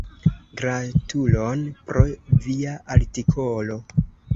Gratulon pro via artikolo!